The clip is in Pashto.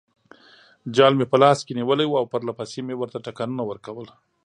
جال مې په لاس کې نیولی وو او پرلپسې مې ورته ټکانونه ورکول.